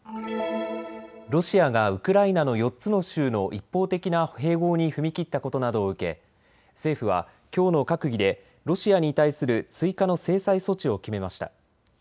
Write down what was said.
ロシアがウクライナの４つの州の一方的な併合に踏み切ったことなどを受け、政府はきょうの閣議でロシアに対する追加の制裁措置を決めました。